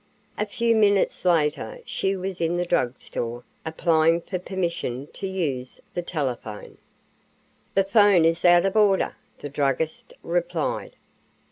A few minutes later she was in the drug store applying for permission to use the telephone. "The phone is out of order," the druggist replied.